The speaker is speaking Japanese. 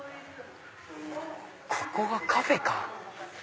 ここがカフェか！